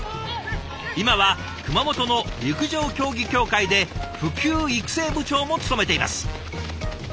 今は熊本の陸上競技協会で普及育成部長も務めています。